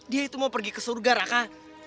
dia itu mau pergi ke surga raka